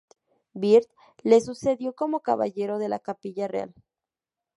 Byrd le sucedió como caballero de la Capilla Real.